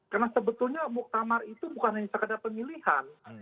karena sebetulnya muktamar itu bukan hanya sekedar pemilihan